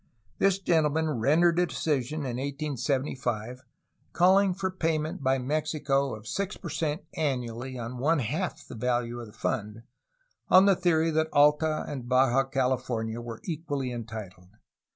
This gentleman rendered a decision in 1875 calling for payment by Mexico of 6 per cent annually on one half the value of the fund, on the theory that Alta ahd Baja California were equally entitled.